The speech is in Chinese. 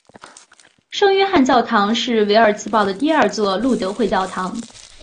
圣约翰教堂是维尔茨堡的第二座路德会教堂。